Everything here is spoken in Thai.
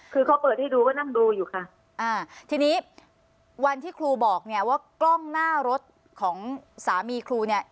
คือเขาเปิดให้ดูก็นั่งดูอยู่ค่ะอ่าทีนี้วันที่ครูบอกเนี่ยว่ากล้องหน้ารถของสามีครูเนี่ย